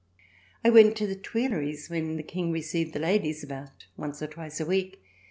I went to the Tuileries when the King received the ladies, about once or twice a week.